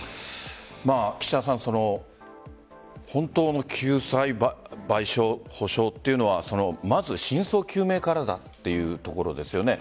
岸田さん、本当の救済賠償、補償というのはまず真相究明からだというところですよね。